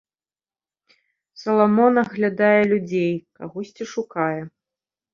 Саламон аглядае людзей, кагосьці шукае.